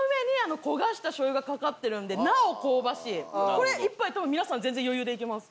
これ１杯多分皆さん全然余裕でいけます。